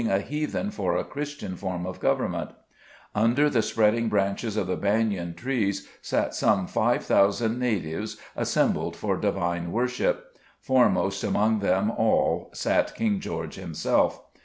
a heathen for a Christian form of government, the spreading branches of the banyan trees sat some 5000 natives, assembled for Divine worship. Foremost among them all sat King George himself.